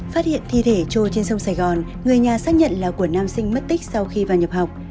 phát hiện thi thể trôi trên sông sài gòn người nhà xác nhận là của nam sinh mất tích sau khi vào nhập học